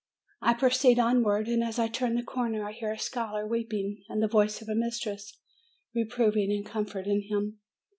I proceed onward, and as I turn the corner, I hear a scholar weeping, and the voice of the mistress reproving and comforting him.